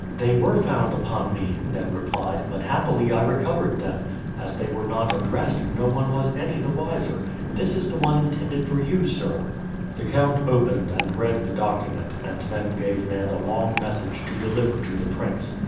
"They were found upon me," Ned replied; "but happily I recovered them. As they were not addressed, no one was any the wiser. This is the one intended for you, sir." The count opened and read the document, and then gave Ned a long message to deliver to the prince.